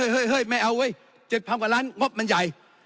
เฮ้ยไม่เอาเว้ย๗๐๐กว่าล้านงบมันใหญ่